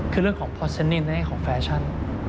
คือเรื่องของปลอสเซนตินในห้างของแฟชั่น